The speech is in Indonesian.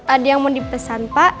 ada yang mau dipesan pak